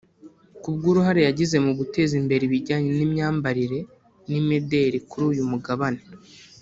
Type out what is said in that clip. kubw’uruhare yagize mu guteza imbere ibijyanye n’imyambarire n’imideri kuri uyu mugabane